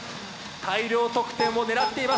大量得点を狙っています。